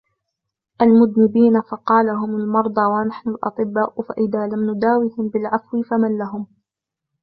الْمُذْنِبِينَ فَقَالَ هُمْ الْمَرْضَى وَنَحْنُ الْأَطِبَّاءُ فَإِذَا لَمْ نُدَاوِهِمْ بِالْعَفْوِ فَمَنْ لَهُمْ